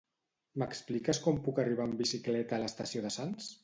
M'expliques com puc arribar en bicicleta a l'estació de Sants?